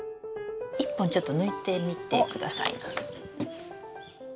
１本ちょっと抜いてみてくださいな。